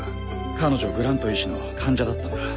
彼女グラント医師の患者だったんだ。